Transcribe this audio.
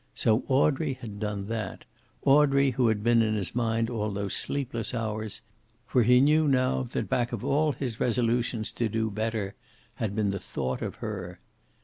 So Audrey had done that, Audrey, who had been in his mind all those sleepless hours; for he knew now that back of all his resolutions to do better had been the thought of her.